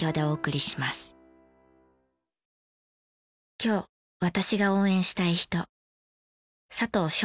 今日私が応援したい人。